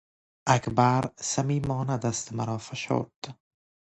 اکبر صمیمانه دست مرا فشرد.